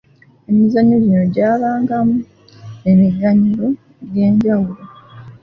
Emizannyo gino gyabangamu emiganyulo egy’enjawulo.